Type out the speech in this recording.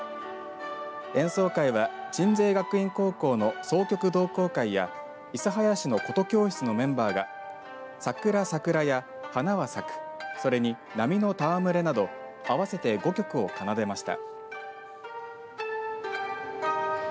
演奏会は鎮西学院高校の箏曲同好会や諫早市の琴教室のメンバーがさくらさくらや花は咲くそれに、波の戯れなど合わせて５曲を奏でました。